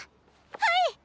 はい！